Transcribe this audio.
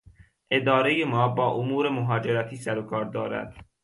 ادارهی ما با امور مهاجرتی سر و کار دارد.